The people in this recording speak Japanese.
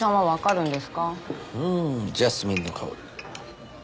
んジャスミンの香り